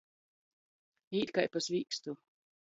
Īt kai pa svīkstu.